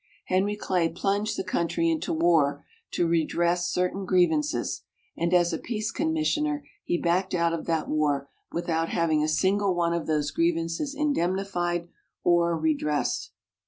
Henry Clay plunged the country into war to redress certain grievances, and as a peace commissioner he backed out of that war without having a single one of those grievances indemnified or redressed.